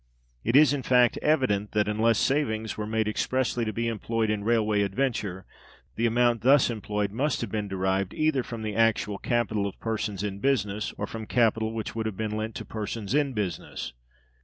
It is, in fact, evident that, unless savings were made expressly to be employed in railway adventure, the amount thus employed must have been derived either from the actual capital of persons in business or from capital which would have been lent to persons in business.